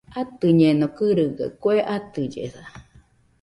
Atɨñeno gɨrɨgaɨ kue atɨllesa